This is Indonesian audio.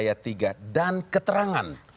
kita baca keterangan